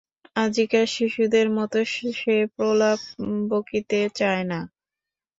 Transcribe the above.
আজিকার শিশুদের মত সে প্রলাপ বকিতে চায় না।